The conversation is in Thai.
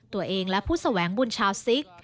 ตัวเองและผู้แสวงบุญชาวซิก